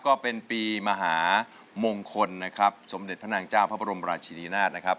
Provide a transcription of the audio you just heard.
ก็เป็นปีมหามงคลนะครับสมเด็จพระนางเจ้าพระบรมราชินีนาฏนะครับ